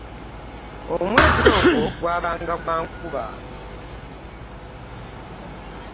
Omwezi ogwo gwabanga gwa nkuba.